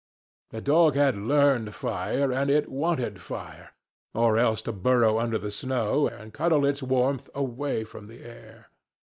The dog had learned fire, and it wanted fire, or else to burrow under the snow and cuddle its warmth away from the air.